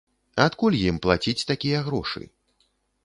Адкуль ім плаціць такія грошы?